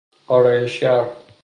آرایش گر